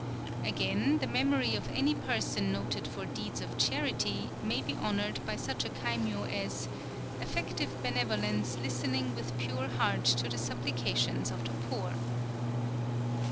Again, the memory of any person noted for deeds of charity may be honoured by such a kaimyō as, "Effective Benevolence Listening with Pure Heart to the Supplications of the Poor."